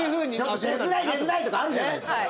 「出づらい出づらい」とかあるじゃないですか。